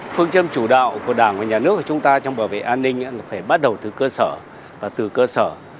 phương châm chủ đạo của đảng và nhà nước của chúng ta trong bảo vệ an ninh là phải bắt đầu từ cơ sở và từ cơ sở